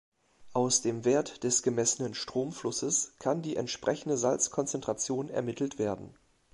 Aus dem Wert des gemessenen Stromflusses kann die entsprechende Salzkonzentration ermittelt werden.